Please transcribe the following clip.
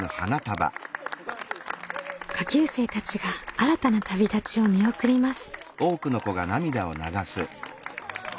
下級生たちが新たな旅立ちを見送ります。